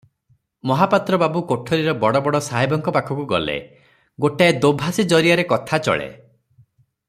ମହାପାତ୍ର ବାବୁ କୋଠିର ବଡ଼ ବଡ଼ ସାହେବଙ୍କ ପାଖକୁ ଗଲେ, ଗୋଟାଏ ଦୋଭାଷୀ ଜରିଆରେ କଥା ଚଳେ ।